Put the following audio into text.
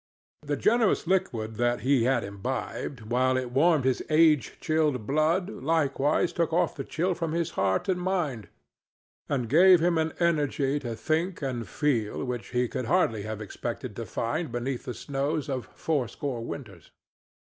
The generous liquid that he had imbibed, while it warmed his age chilled blood, likewise took off the chill from his heart and mind, and gave him an energy to think and feel which we could hardly have expected to find beneath the snows of fourscore winters.